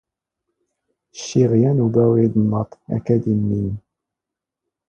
ⵛⵛⵉⵖ ⵢⴰⵏ ⵓⴱⴰⵡ ⵉⴹⵏⵏⴰⵟ ⴰⴽⴰⴷ ⵉⵎⵎⵉⵎ.